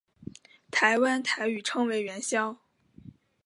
台湾台语称为元宵。